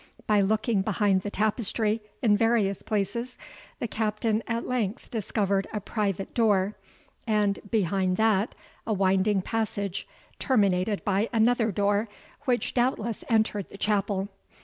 By looking behind the tapestry in various places, the Captain at length discovered a private door, and behind that a winding passage, terminated by another door, which doubtless entered the chapel.